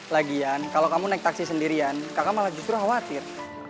lagian kalau kamu naik taksi sendirian kakak malah justru khawatir